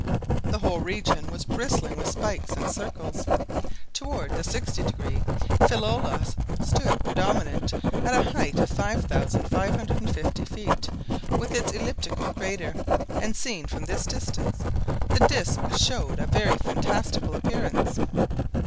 The whole region was bristling with spikes and circles. Toward the 60° Philolaus stood predominant at a height of 5,550 feet with its elliptical crater, and seen from this distance, the disc showed a very fantastical appearance.